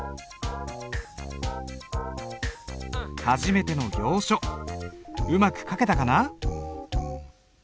初めての行書うまく書けたかな？